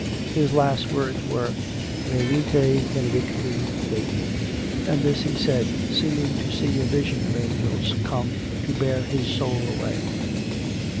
His last words were, ' Venite benedicti Dei '; and this he said, seeming to see a vision of angels come to bear his soul away.